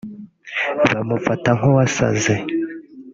bamufata nk’uwasaze